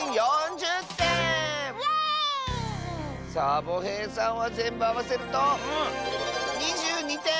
サボへいさんはぜんぶあわせると２２てん！